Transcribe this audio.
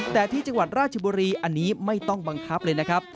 แต่ที่จังหวัดราชบุรีอันนี้ไม่ต้องบังคับเลยนะครับ